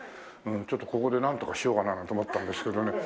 ここでなんとかしようかななんて思ったんですけどね。